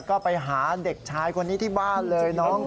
ก็ไปหาเด็กชายคนนี้ที่บ้านเลยน้อง